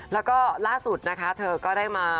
แล้วก็ล่าสุดนะคะเธอก็ได้มา